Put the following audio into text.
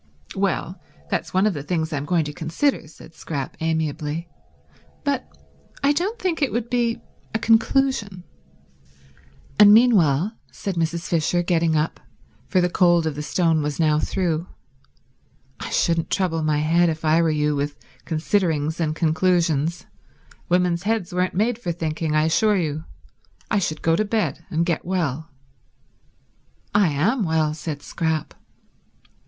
"Well, that's one of the things I'm going to consider," said Scrap amiably. "But I don't think it would be a conclusion." "And meanwhile," said Mrs. Fisher, getting up, for the cold of the stone was now through, "I shouldn't trouble my head if I were you with considerings and conclusions. Women's heads weren't made for thinking, I assure you. I should go to bed and get well." "I am well," said Scrap.